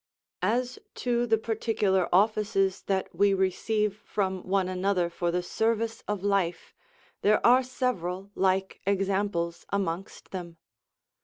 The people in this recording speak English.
As to the particular offices that we receive from one another for the service of life, there are several like examples amongst them.